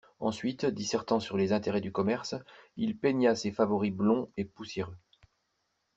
Ensuite, dissertant sur les intérêts du commerce, il peigna ses favoris blonds et poussiéreux.